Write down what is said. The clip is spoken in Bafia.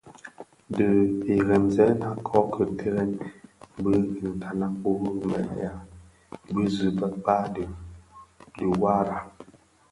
Di iremzëna kō ki terrèn bi ntanag wu mëlèya bi zi bëkpa dhi dhuwara.